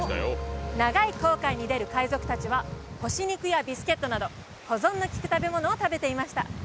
長い航海に出る海賊達は干し肉やビスケットなど保存のきく食べ物を食べていました